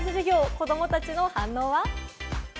子どもたちの反応は？